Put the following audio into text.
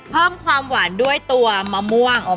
เพิ่มความหวานด้วยตัวมะม่วง